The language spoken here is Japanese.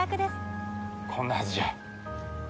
こんなはずじゃ。